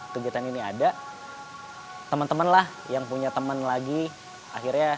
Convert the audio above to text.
sebagai waktu yang terakhir